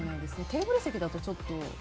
テーブル席だとちょっと。